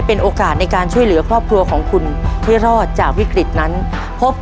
ขอบคุณอีกสูงครอบครับ